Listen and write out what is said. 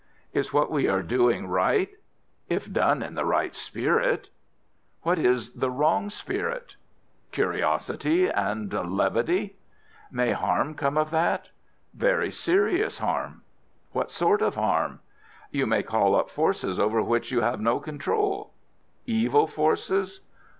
"Is what we are doing right?" "If done in the right spirit." "What is the wrong spirit?" "Curiosity and levity." "May harm come of that?" "Very serious harm." "What sort of harm?" "You may call up forces over which you have no control." "Evil forces?"